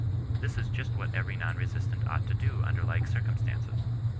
This is just what every non resistant ought to do under like circumstances.